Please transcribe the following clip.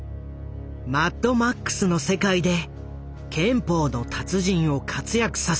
「マッドマックス」の世界で拳法の達人を活躍させる。